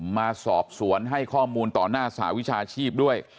มาสอบสวนให้ข้อมูลต่อหน้าสหวิชาชีพด้วย